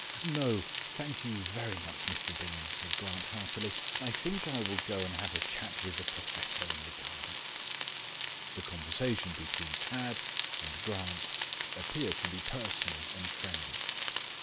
"No, thank you very much, Mr Bingham," said Grant heartily. "I think I will go and have a chat with the professor in the garden." The conversation between Chadd and Grant appeared to be personal and friendly.